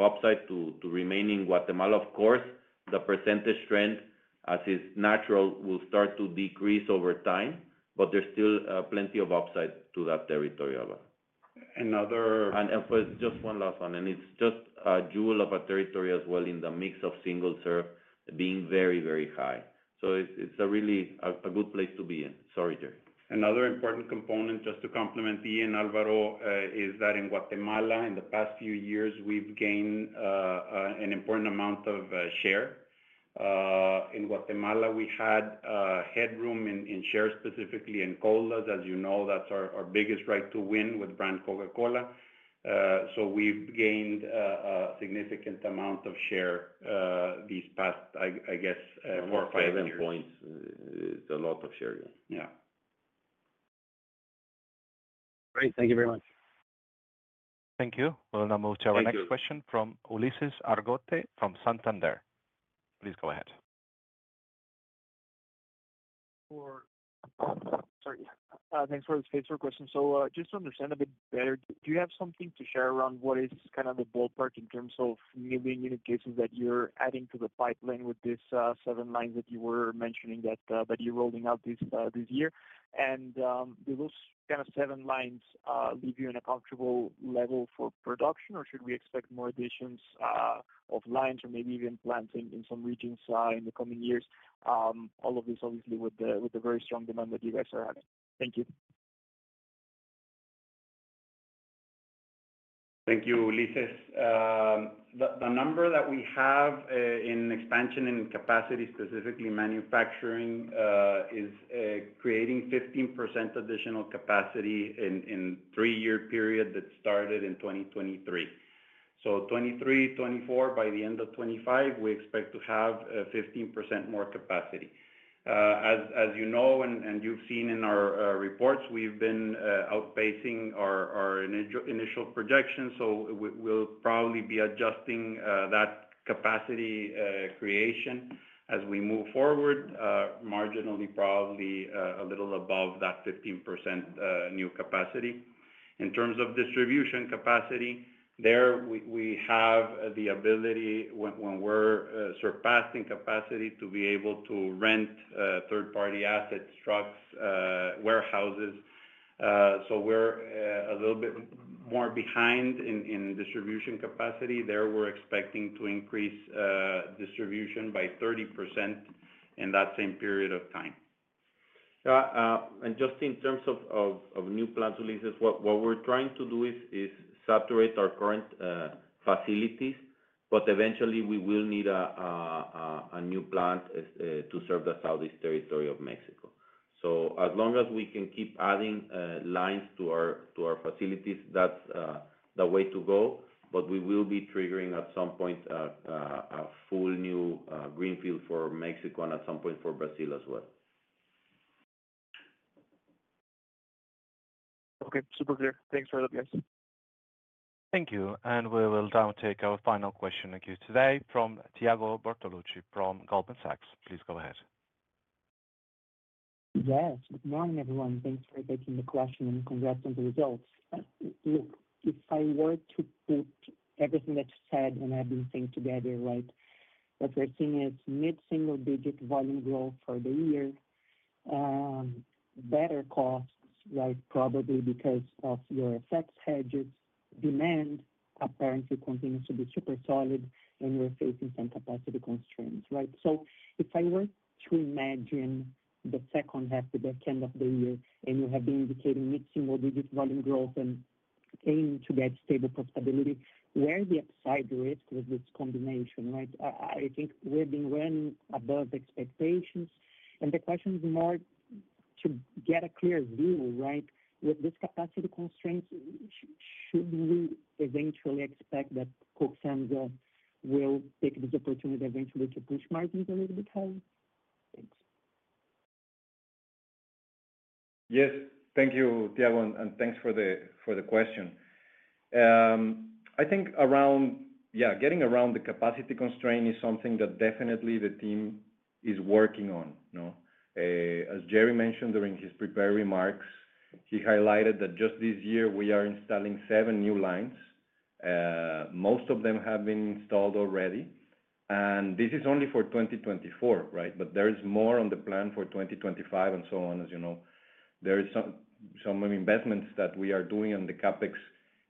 upside to remaining Guatemala. Of course, the percentage trend, as is natural, will start to decrease over time, but there's still plenty of upside to that territory, Álvaro. And another just one last one. And it's just a jewel of a territory as well in the mix of single-serve being very, very high. So it's a really good place to be in. Sorry, Gerry. Another important component, just to complement Ian and Álvaro, is that in Guatemala, in the past few years, we've gained an important amount of share. In Guatemala, we had headroom in shares, specifically in colas. As you know, that's our biggest right to win with brand Coca-Cola. So we've gained a significant amount of share these past, I guess, 4 or 5 years. 70 points. It's a lot of share, yeah. Yeah. Great. Thank you very much. Thank you. We'll now move to our next question from Ulises Argote from Santander. Please go ahead. Thanks for the space for questions. So just to understand a bit better, do you have something to share around what is kind of the ballpark in terms of million-unit cases that you're adding to the pipeline with these seven lines that you were mentioning that you're rolling out this year? And do those kind of seven lines leave you in a comfortable level for production, or should we expect more additions of lines or maybe even plants in some regions in the coming years, all of this obviously with the very strong demand that you guys are having? Thank you. Thank you, Ulises. The number that we have in expansion and capacity, specifically manufacturing, is creating 15% additional capacity in a three-year period that started in 2023. So 2023, 2024, by the end of 2025, we expect to have 15% more capacity. As you know, and you've seen in our reports, we've been outpacing our initial projections. So we'll probably be adjusting that capacity creation as we move forward, marginally probably a little above that 15% new capacity. In terms of distribution capacity, there we have the ability, when we're surpassing capacity, to be able to rent third-party assets, trucks, warehouses. So we're a little bit more behind in distribution capacity. There we're expecting to increase distribution by 30% in that same period of time. And just in terms of new plants, Ulises, what we're trying to do is saturate our current facilities, but eventually we will need a new plant to serve the southeast territory of Mexico. So as long as we can keep adding lines to our facilities, that's the way to go. But we will be triggering at some point a full new greenfield for Mexico and at some point for Brazil as well. Okay. Super clear. Thanks for that, guys. Thank you. And we will now take our final question to you today from Tiago Bortolucci from Goldman Sachs. Please go ahead. Yes. Good morning, everyone. Thanks for taking the question and congrats on the results. Look, if I were to put everything that you said and everything together, right, what we're seeing is mid-single-digit volume growth for the year, better costs, right, probably because of your FX hedges. Demand apparently continues to be super solid, and we're facing some capacity constraints, right? So if I were to imagine the second half of the end of the year and you have been indicating mid-single-digit volume growth and aim to get stable profitability, where the upside risk with this combination, right? I think we've been running above expectations. The question is more to get a clear view, right? With these capacity constraints, should we eventually expect that KOF will take this opportunity eventually to push margins a little bit higher? Thanks. Yes. Thank you, Tiago, and thanks for the question. I think around, yeah, getting around the capacity constraint is something that definitely the team is working on. As Gerry mentioned during his prepared remarks, he highlighted that just this year we are installing seven new lines. Most of them have been installed already. This is only for 2024, right? But there is more on the plan for 2025 and so on, as you know. There are some investments that we are doing on the CapEx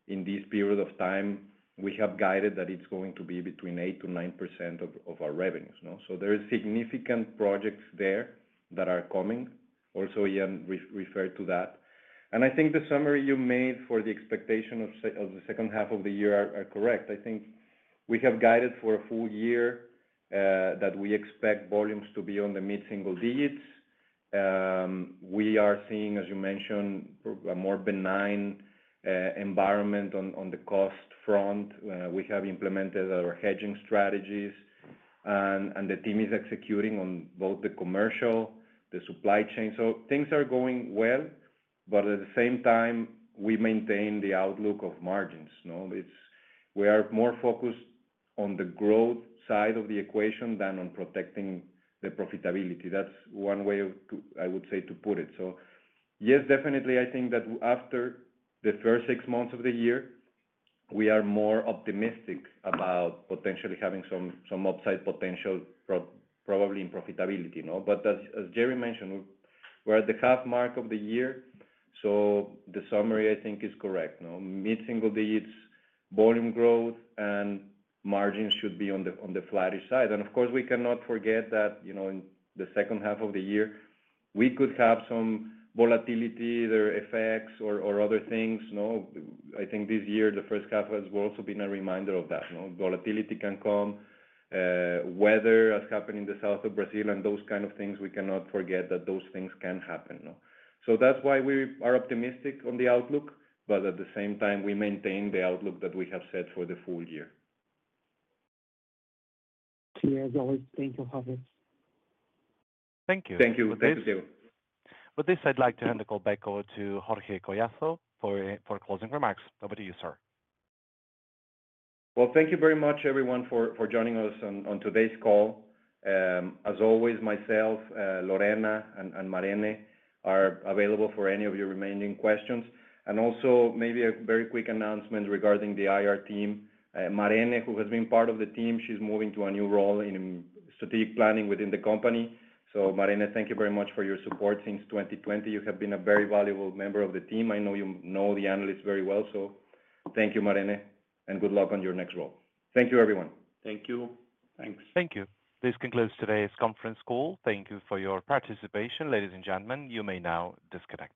in this period of time. We have guided that it's going to be between 8%-9% of our revenues. So there are significant projects there that are coming. Also, Ian referred to that. And I think the summary you made for the expectation of the second half of the year are correct. I think we have guided for a full year that we expect volumes to be on the mid-single digits. We are seeing, as you mentioned, a more benign environment on the cost front. We have implemented our hedging strategies, and the team is executing on both the commercial, the supply chain. So things are going well, but at the same time, we maintain the outlook of margins. We are more focused on the growth side of the equation than on protecting the profitability. That's one way, I would say, to put it. So yes, definitely, I think that after the first six months of the year, we are more optimistic about potentially having some upside potential, probably in profitability. But as Gerry mentioned, we're at the half mark of the year. So the summary, I think, is correct. Mid-single digits, volume growth, and margins should be on the flatter side. And of course, we cannot forget that in the second half of the year, we could have some volatility, their effects, or other things. I think this year, the first half has also been a reminder of that. Volatility can come. Weather has happened in the south of Brazil, and those kind of things. We cannot forget that those things can happen. So that's why we are optimistic on the outlook, but at the same time, we maintain the outlook that we have set for the full year. To you, as always. Thank you, Javier. Thank you, Tiago. With this, I'd like to hand the call back over to Jorge Collazo for closing remarks. Over to you, sir. Well, thank you very much, everyone, for joining us on today's call. As always, myself, Lorena, and Marene are available for any of your remaining questions. And also, maybe a very quick announcement regarding the IR team. Marene, who has been part of the team, she's moving to a new role in strategic planning within the company. So Marene, thank you very much for your support. Since 2020, you have been a very valuable member of the team. I know you know the analysts very well. So thank you, Marene, and good luck on your next role. Thank you, everyone. This concludes today's conference call. Thank you for your participation. Ladies and gentlemen, you may now disconnect.